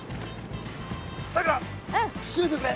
さくら閉めてくれ。